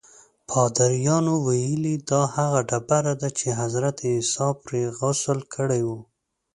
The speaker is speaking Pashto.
پادریانو ویلي دا هغه ډبره ده چې حضرت عیسی پرې غسل کړی و.